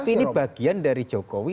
tapi ini bagian dari jokowi